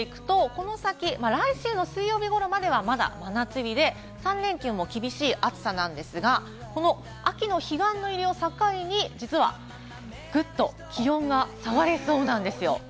この先、来週の水曜日頃までは、まだ真夏日で、３連休も厳しい暑さなんですが、この秋の彼岸の入りを境に、実はグッと気温が下がりそうなんですよ。